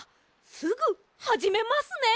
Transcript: すぐはじめますね！